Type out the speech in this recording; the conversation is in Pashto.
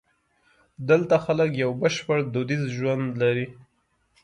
دلته خلک یو بشپړ دودیز ژوند لري.